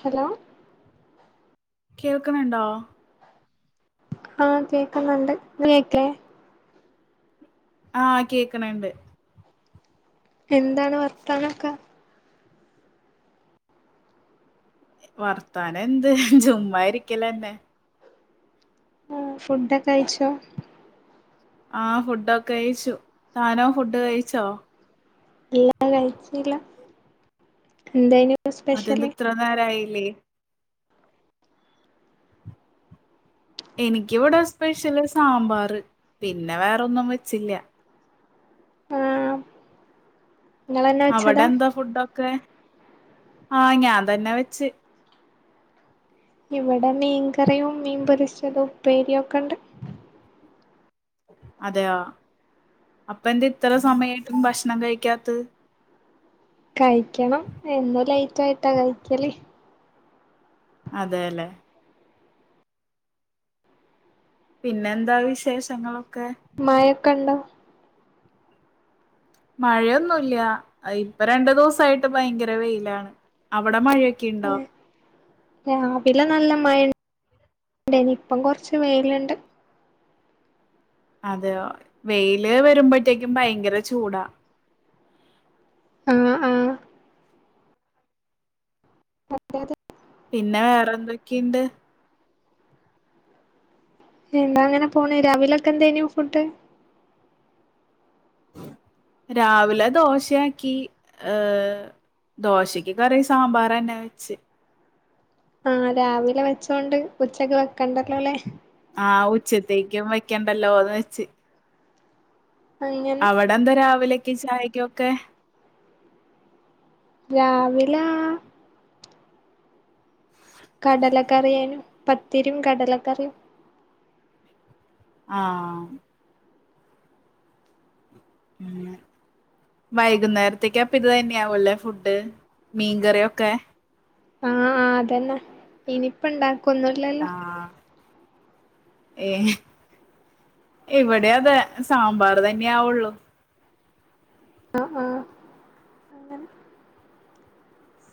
Hello കേൾക്ക്‌ണ് ണ്ടോ? ആഹ് കേക്കുന്നുണ്ട് ഇ കേക്കേ ആഹ് കേക്ക്‌ണ് ണ്ട്. എന്താണ് വർത്താനൊക്കെ. വർത്താനം എന്ത് ചുമ്മാായിരിക്കലന്നെ. ആ ഫുഡൊക്കെ കയിച്ചോ? ആഹ് ഫുഡൊക്കെ കഴിച്ചു താനോ ഫുഡ് കഴിച്ചോ? ഇല്ലാ കഴിച്ചില്ല എന്തായിനു അതെന്ത് ഇത്ര നേരായില്ലേ. എനികിവിടെ സ്പെഷ്യല് സാമ്പാർ പിന്നെ വേറെൊന്നും വെച്ചില്ല. ആഹ്. നിങ്ങളെന്നെ അവിടെ വെച്ചതാ എന്താ ഫുഡൊക്കെ ആഹ് ഞാൻ തന്നെ വെച്ച്. ഇവടെ മീൻകറിയും മീൻ പൊരിച്ചതും ഉപ്പേരക്കെ ഇണ്ട്. അതെയൊ അപ്പ എന്ത ഇത്ര സമയായിട്ടും ഭക്ഷണം കഴിക്കാത്. കഴിക്കണം എന്നും ലേറ്റ് ആയിട്ടാ കഴിക്കല്. അതെലെ പിന്നെ എന്താ വിശേഷങ്ങളൊക്കെ? മയക്ക ഇണ്ടോ? മഴയൊന്നുമല്ല ഇപ്പ രണ്ടു ദിവസായിട്ട് ഭയങ്കര വെയിലാണ് അവിടെ മഴെ ക്കിണ്ടോ രാവിലെ നല്ല മഴണ്ടേ നി ഇപ്പം കൊർച്ച് വെയില്ണ്ട് അതെയോ വെയില് വെര്മ്പഴത്തേക്കും ഭയങ്കര ചൂടാ ആഹ് ആഹ് [unintelligible] പിന്നെ വേറെ എന്തൊക്കീണ്ട് എന്താ അങ്ങനെ പോണ് രാവിലൊക്കെ എന്തേനു ഫുഡ് രാവിലെ ദോശാക്കി ഏഹ് ദോശയ്ക്ക് കറി സാമ്പാറെന്നെ വെച്ച് ആഹ് രാവിലെ വെച്ചോണ്ട് ഉച്ചക്ക് വെക്കണ്ടല്ലോ ലെ ആഹ് ഉച്ചത്തേക്കും വെക്കണ്ടല്ലോന്ന് വെച്ച് ഐങ്ങനെ ന്നന്താ രാവിലേക്ക് ചായക്ക്യൊക്കെ രാവിലാ കടലക്കറേനു പത്തിരിം കടലക്കറിം ആഹ് വൈകുന്നേരത്ത്യേക്ക് അപ്പത് തന്ന്യാവുല്ലേ ഫുഡ്ഡ് മീൻകറിയൊക്കെ ആഹ് അതന്നെ ഇനിപ്പണ്ടാക്കൊന്നുല്ലല്ലോ ആഹ് ഏഹ് ഇവട്യതെ സാമ്പാറ് തന്ന്യാവൊള്ളു ആഹ് ആഹ്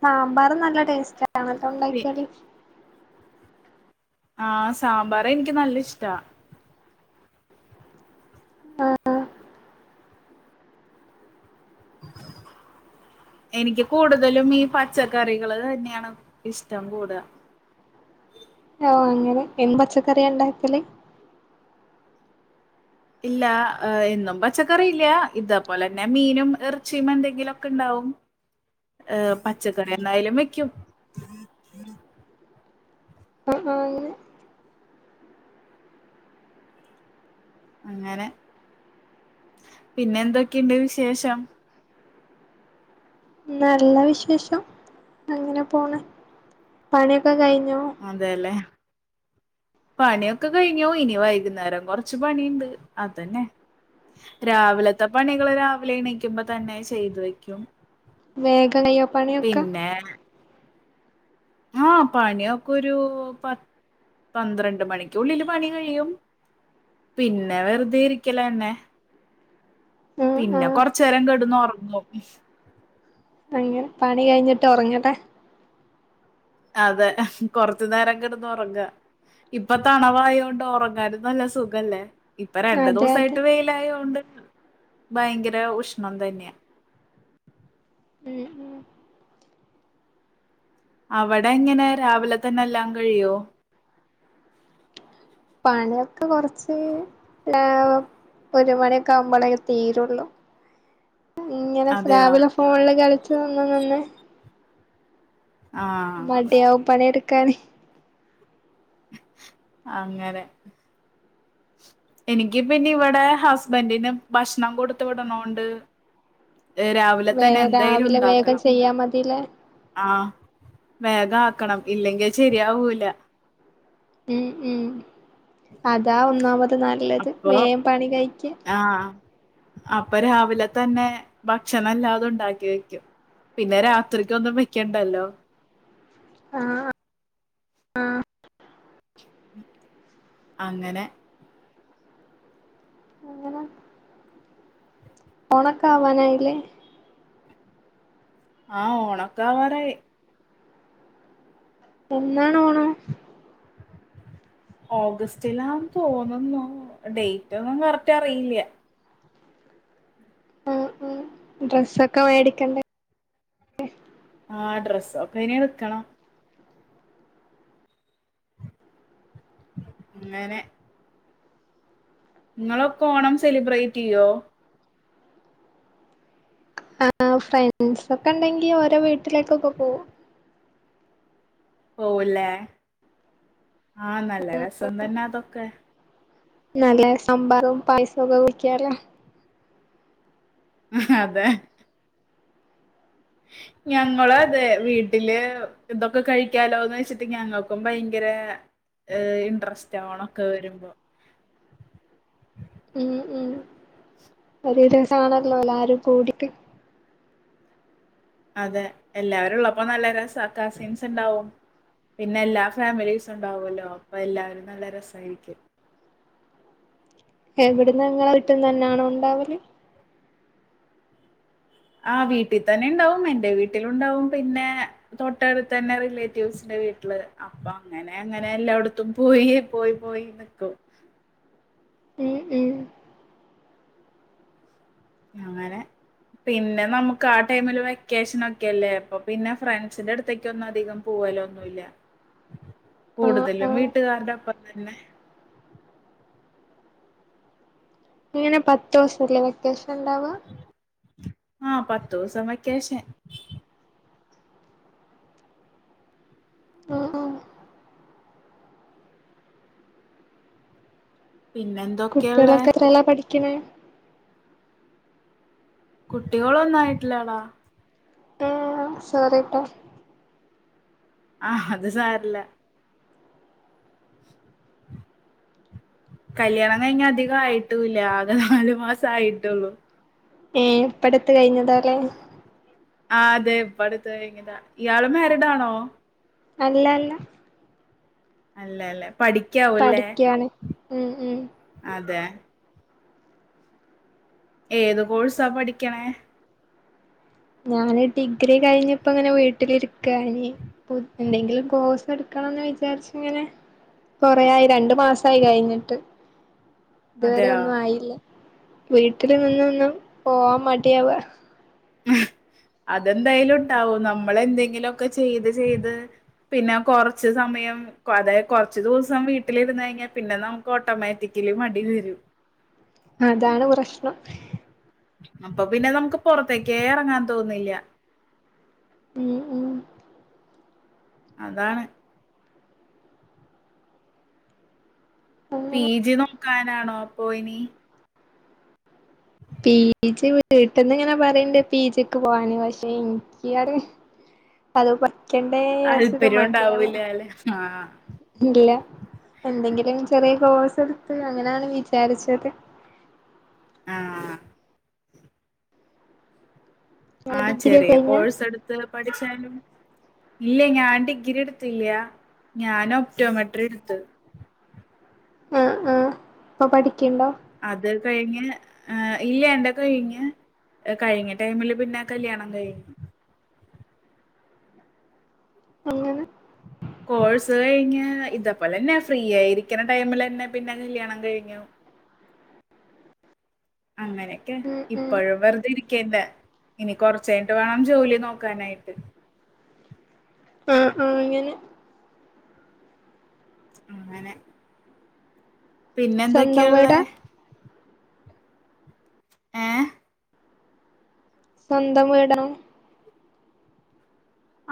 സാമ്പാറ് നല്ല പി ടേസ്റ്റാണല്ലോണ്ടാക്ക്യാല് ആഹ് സാമ്പാറ് എൻക്ക് നല്ലഷ്ടാ ആഹ് ആഹ് എനിക്ക് കൂട്തലും ഈ പച്ചക്കറികള് തന്നെയാണ് ഇഷ്ടം കൂടാ ആഹ് അങ്ങനെ എന്നും പച്ചക്കറിയാണ്ടാക്കല് ഇല്ല എന്നും പച്ചക്കറി ഇല്ല ഇതേപോലെന്നെ മീനും എർച്ചിം എന്തെങ്കിലൊക്കെണ്ടാവും ഏഹ് പച്ചക്കറി എന്നായാലും വെക്ക്യും ആഹ് ആഹ് അങ്ങനെ പിന്നെ എന്തൊക്കേണ്ട് വിശേഷം നല്ല വിശേഷം അങ്ങനെ പോണ് പണിയൊക്കെ കഴിഞ്ഞോ അതേലെ പണിയൊക്കെ കഴിഞ്ഞൂ ഇനി വൈകുന്നേരം കൊർച്ച് പണിണ്ട് അതന്നെ രാവിലത്തെ പണികള് രാവിലെ എണീക്യൂമ്പ തന്നെ ചെയ്തു വെയ്ക്ക്യും വേഗം കയ്യോ പണിയൊക്കാ ആഹ് പണിയൊക്കെ ഒരു പത് പന്ത്രണ്ട് മണിക്കുള്ളില് പണി കഴിയും പിന്നെ വെർതെ ഇരിക്ക്യലാണ് ആഹ് പിന്നെ ആഹ് കൊർച്ചേരം കെട്ന്നൊർങ്ങും അങ്ങനെ പണി കഴിഞ്ഞിട്ട് ഒറങ്ങട്ടെ അതെ കൊർച്ച് നേരം കെട്ന്നൊറങ്ങാ ഇപ്പൊ തണവായോണ്ട് ഒറങ്ങാനും നല്ല സുഖല്ലേ ഇപ്പൊ രണ്ട് അതെ അതെ ദിവസായിട്ട് വെയിലായോണ്ട് ഭയങ്കര ഉഷ്ണം തന്ന്യാ ഉം ഉം അവടെങ്ങെനെ രാവിലെ തന്നെ എല്ലാം കഴിയോ പണിയൊക്കെ കൊർച്ച് ലാവും ഒരു മണിക്കാമ്പളേ തീരൊള്ളൂ ഇങ്ങനെ അതെയോ സ്ലാവിലെ ഫോൺല് കളിച്ച് നിന്ന നിന്ന് ആഹ് മട്യാവും പണി എട്ക്കാന് അങ്ങനെ എനിക്ക് പിന്നിവിടെ ഹസ്ബൻഡിന് ഭക്ഷണം കൊടുത്ത് വിടണോണ്ട് ഏഹ് രാവിലെ വേ തന്നെ രാവിലെ വേഗം എന്തായാലുണ്ടാക്കണം ചെയ്യാ മതില്ലേ? ആഹ് വേഗാക്കണം ഇല്ലെങ്കി അഹ് ശരിയാവൂല ഉം ഉം അതാ ഒന്നാമത് നല്ലത് അപ്പൊ വേം പണി കഴിക്കാ ആഹ് അപ്പൊ രാവിലെ തന്നെ ഭക്ഷണെല്ലാതുണ്ടാക്കി വെക്കും പിന്നെ രാത്രിക്കൊന്നും വെക്കണ്ടല്ലോ ആഹ് ആഹ് അങ്ങനെ അങ്ങനെ ഓണക്കാവാനായില്ലേ? ആഹ് ഓണക്കാവാറായി എന്നാണ് ഓണം? ഓഗസ്റ്റിലാന്ന് തോന്നുന്നു ഡെയ്റ്റൊന്നും കറക്റ്ററിയില്ല്യ ഉം ഉം ഡ്രസ്സൊക്കെ മേടിക്കണ്ടേ? ആ ഡ്രസ്സൊക്കെയിനി എടുക്കണം അങ്ങനെ ഇങ്ങളൊക്കെ ഓണം സെലിബ്രേറ്റെയ്യോ? ആ ഫ്രണ്ട്സൊക്കെണ്ടെങ്കി ഓരെ വീട്ടിലേക്കൊക്കെ പോവും പോവുല്ലേ? ആഹ് നല്ല രസം തന്നെ അതൊക്കെ നല്ല സമ്പാറും, പായസൊക്കെ കുടിക്കാലോ ആഹ് അതെ ഞങ്ങളും അതെ വീട്ടില് ഇതൊക്കെ കഴിക്കാലോന്ന് വെച്ചിട്ട് ഞങ്ങക്കും ഭയങ്കര ഏഹ് ഇൻട്രസ്റ്റാ ഓണൊക്കെ വരുമ്പോ ഉം ഉം ഒരു രസാണല്ലോ എല്ലാരും കൂടിട്ട് അതെ എല്ലാവരുള്ളപ്പോ നല്ല രസ കസിൻസ്ണ്ടാവും പിന്നെ എല്ലാ ഫാമിലീസുണ്ടാവുമല്ലോ അപ്പൊ എല്ലാരും നല്ല രസായിരിക്കും എവിടെന്ന ഇങ്ങളെ വീട്ട്ന്നന്നാണോ ഇണ്ടാവല്? ആ വീട്ടി തന്നെണ്ടാവും എൻറെ വീട്ടിലുണ്ടാവും പിന്നെ തൊട്ടടുത്തന്നെ റിലേറ്റീവ്സിന്റെ വീട്ടില് അപ്പൊ അങ്ങനെ അങ്ങനെ എല്ലാവ്ടത്തും പോയി പോയി പോയി നിക്കും ഉം ഉം അങ്ങനെ പിന്നെ നമുക്ക് ആ ടൈമില് വെക്കേഷനൊക്കെയല്ലേ അപ്പൊ പിന്നെ ഫ്രണ്ട്സിന്റെ അടുത്തേക്കൊന്നും അധികം പോവാലൊന്നുല്ല ആഹ് കൂടുതലും ആഹ് വീട്ടുകാരുടെ ഒപ്പം തന്നെ എങ്ങനെ പത്തൂസല്ലേ വെക്കേഷണ്ടാവ? ആഹ് പത്തൂസം വെക്കേഷൻ ആഹ് ആഹ് പിന്നെന്താ? കുട്ട്യളൊക്കെത്രേല പഠിക്ക്ണെ? കുട്ടികളൊന്നും ആയിട്ടില്ലാടാ ആഹ് ശുവറേട്ടാെ ആഹ് അത് സാരല്ല കല്യാണം കഴിഞ്ഞ് അധികായിട്ടൂല്യാ ആകെ നാല് മാസം ആയിട്ടാെള്ളു ഏഹ് ഇപ്പട്ത്ത് കഴിഞ്ഞതാല്ലേ ആഹ് അതെ ഇവട്ത്തെ ഇങ്ങ്താ ഇയാള് മേരിഡാണോ അല്ല അല്ല അല്ലെല്ലേ പഠിക്കാവാെല്ലേ പഠിക്കാണ് ഉം ഉം അതെ ഏത് കോഴ്സാ പഠിക്ക്ണേ ഞാന് ഡിഗ്രി കഴിഞ്ഞ് ഇപ്പ ഇങ്ങനെ വീട്ടില് ഇരിക്കാന് പുത് എന്തെങ്കിലും കോഴ്സ് ഇട്ക്കണംന്ന് വിചാരിച്ച് ഇങ്ങനെ കൊറെ ആയി രണ്ട് മാസായി കഴിഞ്ഞിട്ട് ഇത് വരെ അതെയോ ഒന്നും ആയില്ല വീട്ടില് നിന്ന് നിന്ന് പോവാം മാടിയാവാ അതെന്തായാലും ഇണ്ടാവും നമ്മള് എന്തെങ്കിലും ഒക്കെ ചെയ്ത് ചെയ്ത് പിന്നാ കൊറച്ച് സമയം കൊതെ കാെറച്ച് ദിവസം വീട്ടിലിരിന്ന് കഴിഞ്ഞാ പിന്നെ നമുക്ക് ഓട്ടോമാറ്റിക്കെലി മടി വെരും അതാണ് പ്രശ്ണം അപ്പൊ പിന്നെ നമുക്ക് പാെറത്തെക്കേ എറങ്ങാൻ തോന്നില്യ ഉം ഉം അതാണ് പി ജി നോക്കാനാണോ പോയിനി പീ ജി വീട്ട്ന്ന് ഇങ്ങനെ പറയ്ണ്ട് പീജിക്ക് പോവാന് പക്ഷെ ഇൻക്കിയാതെ ഇപ്പതും പഠിക്കണ്ടേ വിചാരിച്ചിട്ട് താല്പര്യം മടിയാവാ ഉണ്ടാവൂല അല്ലെ ആഹ് ഇല്ല എന്തെങ്കിലും ചെറിയ കോഴ്സ് ഇട്ത്ത് അങ്ങനെയാണ് വിചാരിച്ചത് ആഹ് ആഹ് ഡിഗ്രി ചെറിയ കഴിഞ്ഞ കോഴ്സ് എട്ത്ത് പഠിച്ചാലും ഇല്ലേയ് ഞാൻ ഡിഗ്രി ഇട്ത്തില്യ ഞാന് ഒപ്റ്റോമെട്രി ഇട്ത്തത് ആഹ് ആഹ് ഇപ്പൊ പഠിക്ക്ണ്ടോ അത് കഴിഞ്ഞ് ഹ് ഇല്ല എന്റെ കയിഞ്ഞ് കഴിഞ്ഞ ടൈമില് പിന്നെ കല്യാണം കയിഞ്ഞു എങ്ങനെ കോഴ്സ് കഴിഞ്ഞ് ഇതെപലെന്നെ ഫ്രീയായിരിക്ക്ണ ടൈമിലെന്നെ പിന്നെ കല്യാണം കഴിഞ്ഞു അങ്ങനെയെക്കെ ഉം ഇ ഉം ഇപ്പഴും വെറ്തെ ഇരിക്കേണ്ട ഇനി കൊർചൈൻട്ട് വാണം ജോലി നോക്കാനായിട്ട് ആഹ് ആഹ് അങ്ങനെ ഇങ്ങനെ പിന്നെ എന്തെക്കെ സ്വന്തം ഇള്ളേ വീടാ ഏഹ് സ്വന്തം വീടാണോ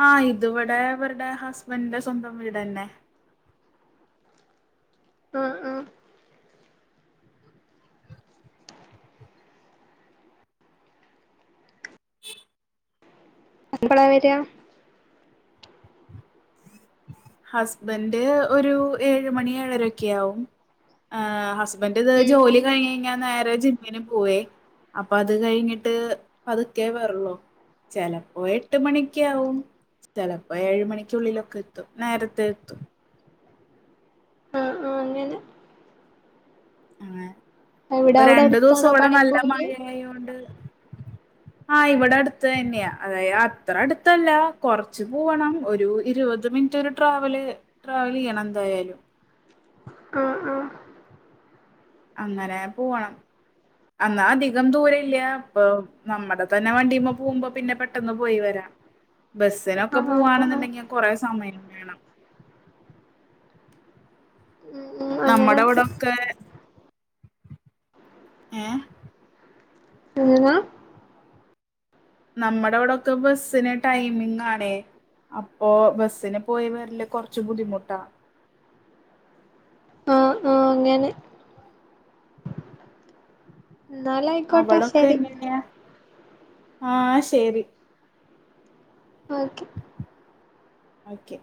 ആഹ് ഇത് ഇവ്ടെ അവര്ടെ ഹസ്ബെൻഡിന്റെ സ്വന്തം വീടെന്നെ ആഹ് ആഹ് ഇഞ്ഞ് എപ്പളാ വെരാ ഹസ്ബെൻഡ് ഒരു ഏഴ് മണി ഏഴരെ ഒക്കെയാവും ഹ് ഹസ് ബെന്റ് ഇത് ഉം ജോലി ഉം കഴിഞ്ഞ് കെയിഞ്ഞാ നേരെ ജിം മ്മിന് പോവേ അപ്പഅത് കെഴിഞ്ഞിട്ട് പത്ക്കെ വെറാെള്ളു ചെലപ്പോ എട്ട് മണിക്കാവും ചെലപ്പോ ഏഴ് മണിക്കുള്ളിലൊക്കെ എത്തും നേരത്തെ എത്തും അ ആ അങ്ങനെ ആ എവിടെ ഇപ്പൊ അവിടെ രണ്ടു ദിവസം അടുത്താണോ ഇവിടെ പണിക്ക് നല്ല പോവല് മഴയായോണ്ട് [inaudible] ആ ഇവടെ അടുത്ത് തന്നെയാ അതായത് അത്ര അടുത്തല്ല കൊറച്ച് പൂവണം ഒരു ഇരുപത് മിനിറ്റ് ഒരു ട്രാവല് ട്രാവലീയ്യണം എന്തായാലും ആ ആ അങ്ങനെ പൂവണം അന്നാ അധികം ദൂര ഇല്ല അപ്പൊ നമ്മടതന്നെ വണ്ടിയമ്മ പോകുമ്പോ പിന്നെ പെട്ടന്ന് പോയി വരാം ബസ് ഇതിനൊക്കെ ആഹ് ആഹ് ആഹ് പൂവാണെന്നുണ്ടെങ്കി കൊറെേ സമയം വേണം ഉം ഉം നമ്മട അങ്ങനൊക്കെ ഇവടൊക്കെ ഏഹ് അങ്ങനാ നമ്മടെവിടൊക്കെ ബസ്സിന് ടൈമിംഗ് ആണേ അപ്പൊ ബസ്സിന് പോയി വരല് കൊറച്ച് ബുദ്ധിമുട്ടാ ആഹ് അങ്ങനെ ന്നാലെ അവടൊക്കെ എങ്ങനെയാ ആ ശരി ഓക്കെ ഓക്കെ